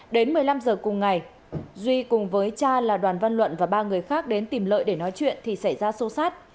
đến một mươi năm giờ cùng ngày duy cùng với cha là đoàn văn luận và ba người khác đến tìm lợi để nói chuyện thì xảy ra xô xát